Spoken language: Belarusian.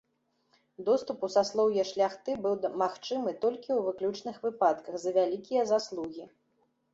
Доступ у саслоўе шляхты быў магчымы толькі ў выключных выпадках за вялікія заслугі.